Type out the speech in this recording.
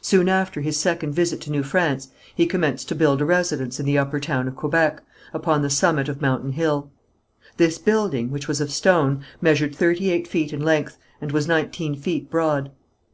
Soon after his second visit to New France, he commenced to build a residence in the Upper Town of Quebec, upon the summit of Mountain Hill. This building, which was of stone, measured thirty eight feet in length, and was nineteen feet broad.